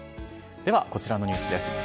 ではこちらのニュースです。